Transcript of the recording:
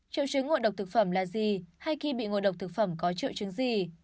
triệu chứng ngộ độc thực phẩm là gì hay khi bị ngộ độc thực phẩm có triệu chứng gì